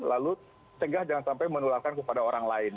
lalu cegah jangan sampai menularkan kepada orang lain